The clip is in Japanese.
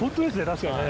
確かにね。